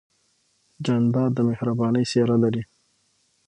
جانداد د مهربانۍ څېرہ لري.